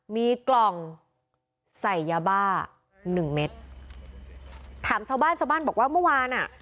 มีกล่องใส่ยาบ้าหนึ่งเม็ดถามชาวบ้านชาวบ้านบอกว่าเมื่อวานอ่ะ